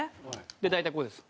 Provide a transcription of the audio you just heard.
で大体こうです。